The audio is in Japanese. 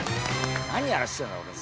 何やらしてんだおれに。